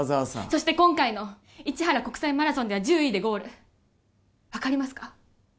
そして今回の市原国際マラソンでは１０位でゴール分かりますか？